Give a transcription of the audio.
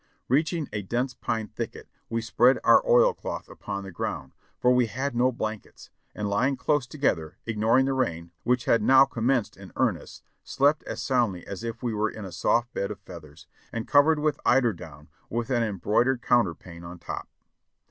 Reaching a dense pine thicket we spread our oilcloth upon the ground, for we had no blankets, and lying close together, ig noring the rain, which had now commenced in earnest, slept as soundly as if we were in a soft bed of feathers, and covered with eiderdown, with an embroidered counterpane on top.